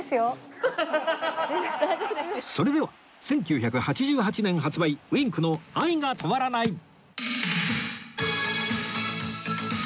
それでは１９８８年発売 Ｗｉｎｋ の『愛が止まらない』